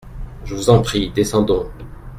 Je vous en prie, descendons.